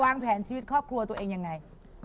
วางแผนชีวิตครอบครัวตัวเองยังไง